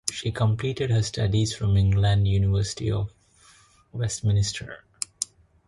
She completed her studies from England University of Westminster.